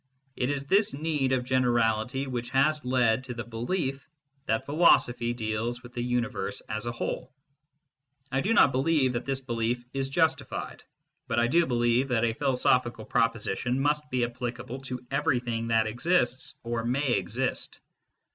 It is this need of generality which has led to the belief that philosophy deals with the universe as a whole. I do not believe that this belief is justified, but I do believe that a philo sophical proposition must be applicable to everything that exists or may exist.